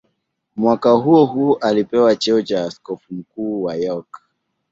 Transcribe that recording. Mwaka huohuo alipewa cheo cha askofu mkuu wa York.